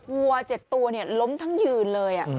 วัว๗ตัวล้มทั้งยืนเลย